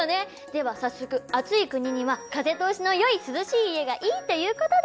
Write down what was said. では早速暑い国には風通しのよい涼しい家がいいっていうことで。